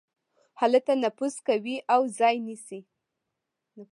هلته نفوذ کوي او ځای نيسي.